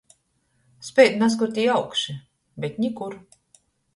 Speid nazkur tī augši, bet nikur.